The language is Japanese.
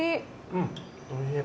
うんおいしい。